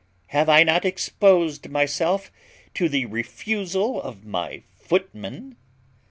Have I not exposed myself to the refusal of my footman?